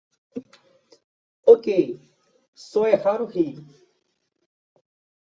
Ok, só é raro ir